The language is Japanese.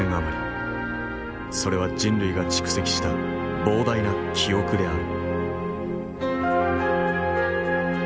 それは人類が蓄積した膨大な記憶である。